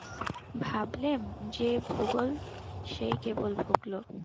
ভাবলেম, যে ভুগল সেই কেবল ভুগল।